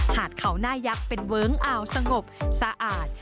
หาดเขาหน้ายักษ์เป็นเวิ้งอ่าวสงบสะอาด